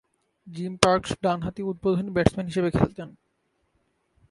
Gym Parks ডানহাতি উদ্বোধনী batsman হিসেবে খেলতেন।